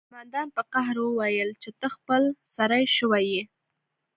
قومندان په قهر وویل چې ته خپل سری شوی یې